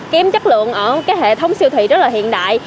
kém chất lượng ở cái hệ thống siêu thị rất là hiện đại